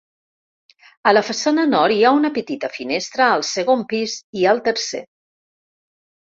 A la façana nord hi ha una petita finestra al segon pis i al tercer.